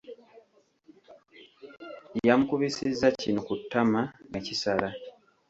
Yamukubisizza kino ku ttama ne kisala.